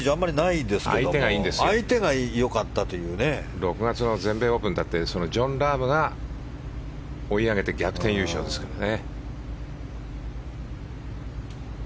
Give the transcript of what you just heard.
６月の全米オープンだってジョン・ラームが追い上げて逆転優勝ですからね。